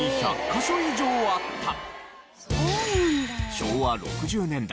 昭和６０年代